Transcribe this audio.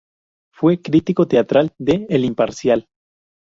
Fue crítico teatral de "El Imparcial".